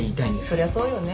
そりゃそうよね。